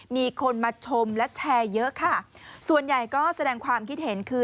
มีคนมาชมและแชร์เยอะค่ะส่วนใหญ่ก็แสดงความคิดเห็นคือ